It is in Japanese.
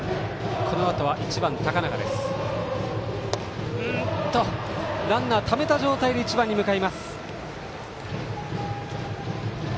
このあとは１番の高中ですがランナーためた状態で１番に向かいます。